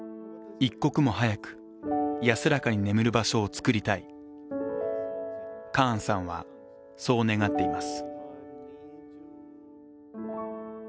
一刻も早く、安らかに眠る場所を作りたい、カーンさんはそう願っています。